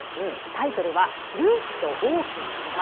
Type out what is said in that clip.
タイトルは「ルースと大きな岩」。